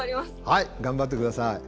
はい頑張って下さい。